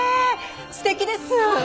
すてきです！